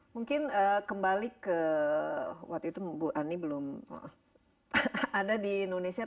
mungkin kembali ke waktu itu bu ani belum ada di indonesia